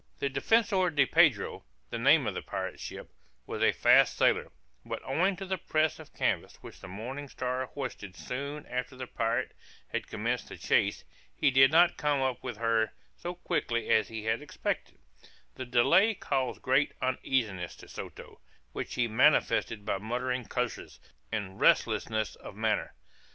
The Defensor de Pedro, the name of the pirate ship, was a fast sailer, but owing to the press of canvas which the Morning Star hoisted soon after the pirate had commenced the chase, he did not come up with her so quickly as he had expected: the delay caused great uneasiness to Soto, which he manifested by muttering curses, and restlessness of manner.